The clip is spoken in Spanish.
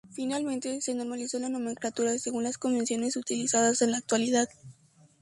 Finalmente, se normalizó la nomenclatura según las convenciones utilizadas en la actualidad.